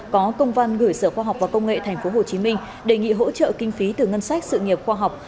có công văn gửi sở khoa học và công nghệ tp hcm đề nghị hỗ trợ kinh phí từ ngân sách sự nghiệp khoa học